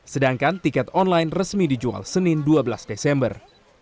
sedangkan tiket online resmi dijual senin dua belas desember